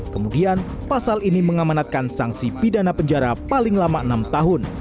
kemudian pasal ini mengamanatkan sanksi pidana penjara paling lama enam tahun